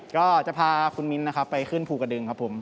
ก็จะพาคุณมิ้นนะครับไปขึ้นภูกระดึงครับผม